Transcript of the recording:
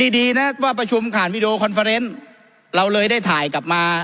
ดีนะว่าประชุมผ่านวีดีโอคอนเฟอร์เนส์เราเลยได้ถ่ายกลับมา